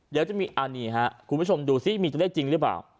เดี๋ยวจะมีอันนี้ครับคุณผู้ชมดูซิมีตัวเลขจริงหรือเปล่า